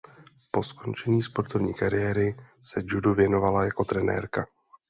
Po skončení sportovní kariéry se judu věnovala jako trenérka.